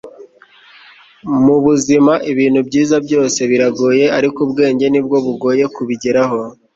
mu buzima, ibintu byiza byose biragoye, ariko ubwenge ni bwo bugoye kubigeraho